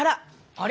あれ？